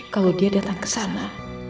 kalau dia datang kesana